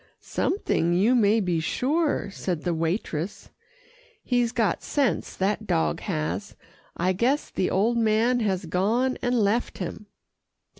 "Something, you may be sure," said the waitress. "He's got sense, that dog has. I guess the old man has gone and left him."